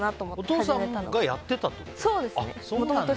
お父さんがやっていたってこと？